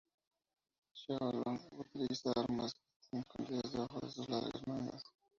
Xiao Lon utiliza armas que están escondidas debajo de sus largas mangas.